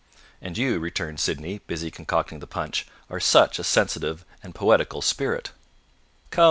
"And you," returned Sydney, busy concocting the punch, "are such a sensitive and poetical spirit " "Come!"